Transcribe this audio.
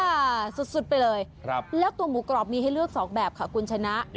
สุดไปเลยแล้วตัวหมูกรอบมีให้เลือกสองแบบค่ะคุณชนะ